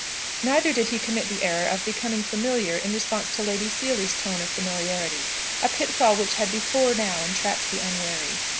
Neither did he commit the error of becoming familiar, in response to Lady Seely's tone of familiarity, a pitfall which had before now entrapped the unwary.